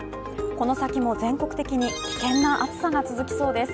この先も全国的に危険な暑さが続きそうです。